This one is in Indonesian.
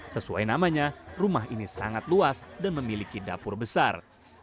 sesuai namanya rumah ini sangat luas dan memiliki dapur besar